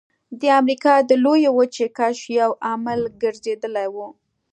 د امریکا د لویې وچې کشف یو عامل ګرځېدلی و.